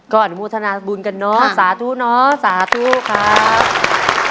ก็อันมูธนาบูรณ์กันเนอะสาธุเนอะสาธุครับ